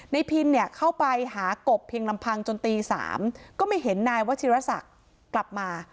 พินเนี่ยเข้าไปหากบเพียงลำพังจนตี๓ก็ไม่เห็นนายวชิรศักดิ์กลับมา